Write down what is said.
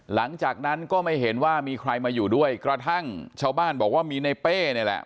หลังจากนั้นก็ไม่เห็นว่ามีใครมาอยู่ด้วยกระทั่งชาวบ้านบอกว่ามีในเป้นี่แหละ